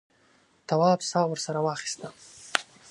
تواب سا ورسره واخیسته.